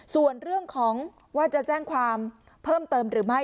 ส่วนเรื่องของว่าจะแจ้งความเพิ่มเติมหรือไม่